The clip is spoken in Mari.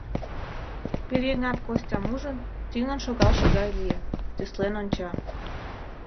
Пӧръеҥат Костям ужын, тӱҥын шогалше гай лие, тӱслен онча.